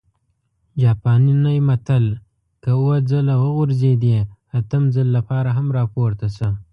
جاپانى متل: که اووه ځل وغورځېدې، اتم ځل لپاره هم راپورته شه!